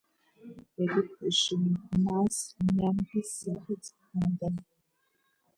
ეგვიპტეში მას ნიანგის სახეც ჰქონდა.